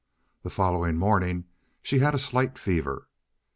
The following morning she had a slight fever.